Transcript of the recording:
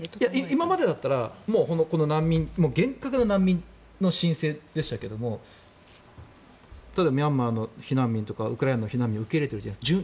今までだったら厳格な難民の申請でしたけど例えばミャンマーの避難民とかウクライナの避難民を受け入れてるじゃないですか。